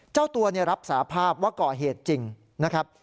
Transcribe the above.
เจ้าตัวรับสาภาพว่าก่อเหตุจริงนะครับ